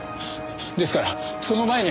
ですからその前に。